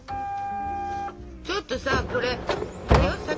ちょっとさあこれあれよ？